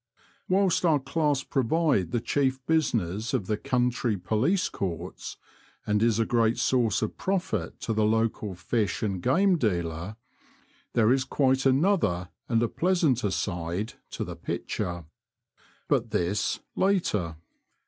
Whilst our class provide the chief business of the country police courts, and is a great source of profit to the local fish and game dealer, there is quite another and a pleasanter side, to the picture. But this later.